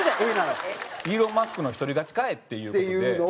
「イーロン・マスクの一人勝ちかい」っていう事で。